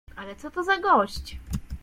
"Ale co to za gość?"